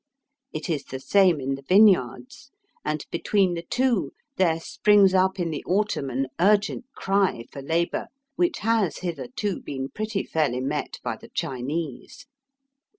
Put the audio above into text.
It is the same in the vineyards, and between the two there springs up in the autumn an urgent cry for labour which .has hitherto been pretty fairly met by the Chinese.